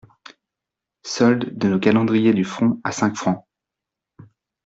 Solde de nos calendriers du front à cinq fr.